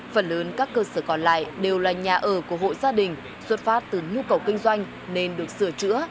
phần lớn các cơ sở còn lại đều là nhà ở của hộ gia đình xuất phát từ nhu cầu kinh doanh nên được sửa chữa